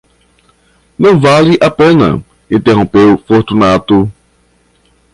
Não vale a pena, interrompeu Fortunato.